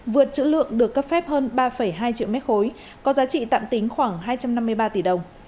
vượt chữ lượng được cấp phép hơn ba hai triệu mét khối có giá trị tạm tính khoảng hai trăm năm mươi ba tỷ đồng